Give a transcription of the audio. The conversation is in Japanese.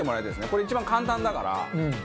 これ一番簡単だから。